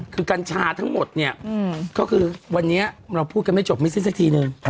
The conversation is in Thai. คือกัญชาทั้งหมดเนี่ยก็คือวันนี้เราพูดกันไม่จบไม่สิ้นสักทีนึง